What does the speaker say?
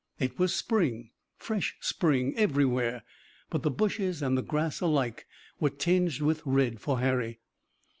It was spring, fresh spring everywhere, but the bushes and the grass alike were tinged with red for Harry.